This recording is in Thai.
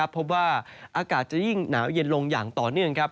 พบว่าอากาศจะยิ่งหนาวเย็นลงอย่างต่อเนื่อง